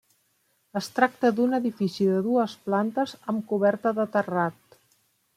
Es tracta d'un edifici de dues plantes amb coberta de terrat.